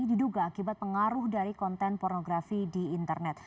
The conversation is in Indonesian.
diduga akibat pengaruh dari konten pornografi di internet